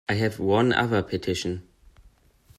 I have one other petition.